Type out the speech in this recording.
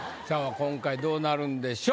今回どうなるんでしょう？